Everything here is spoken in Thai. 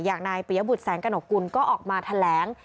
อย่างนายปียบุตรแสงกระหนกกุลก็ออกมาแถลง